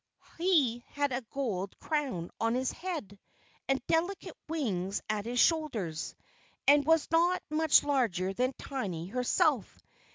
He had a gold crown on his head, and delicate wings at his shoulders, and was not much larger than Tiny herself.